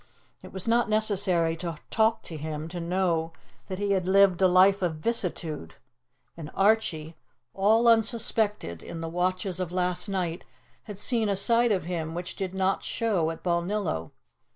It was not necessary to talk to him to know that he had lived a life of vicissitude, and Archie, all unsuspected, in the watches of last night had seen a side of him which did not show at Balnillo.